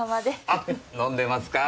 あ飲んでますか？